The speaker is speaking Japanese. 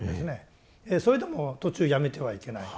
それでも途中やめてはいけない。